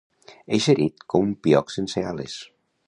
Eixerit com un pioc sense ales.